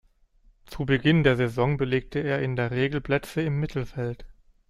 Zu Beginn der Saison belegte er in der Regel Plätze im Mittelfeld.